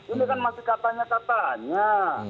ini kan masih katanya katanya